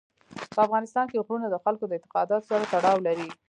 په افغانستان کې غرونه د خلکو د اعتقاداتو سره تړاو لري.